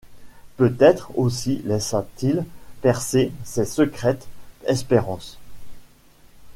Peut-être aussi laissa-t-il percer ses secrètes espérances.